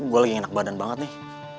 gue lagi enak badan banget nih